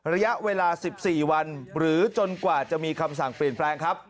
ระยะเวลา๑๔วันหรือจนกว่าจะมีคำสั่งเปลี่ยนแปลงครับ